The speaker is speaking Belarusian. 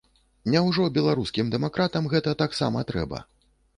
Няўжо беларускім дэмакратам гэта таксама трэба?